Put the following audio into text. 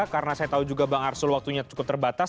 karena saya tahu juga bang arsu waktunya cukup terbatas